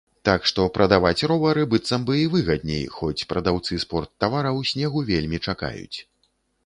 Так што прадаваць ровары быццам бы і выгадней, хоць прадаўцы спорттавараў снегу вельмі чакаюць.